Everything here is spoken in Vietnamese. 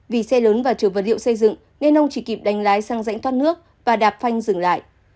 vì xe lớn và trở vật liệu xây dựng nên ông chỉ kịp đánh lái sang rãnh thoát nước và đạp phanh dừng lại